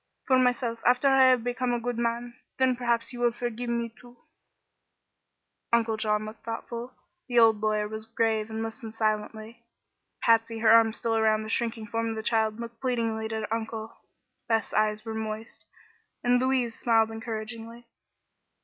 For myself, after I have become a good man, then perhaps you will forgive me, too." Uncle John looked thoughtful; the old lawyer was grave and listened silently. Patsy, her arms still around the shrinking form of the child, looked pleadingly at her uncle. Beth's eyes were moist and Louise smiled encouragingly.